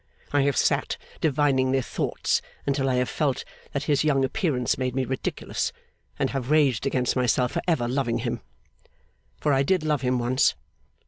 I have sat, divining their thoughts, until I have felt that his young appearance made me ridiculous, and have raged against myself for ever loving him. For I did love him once.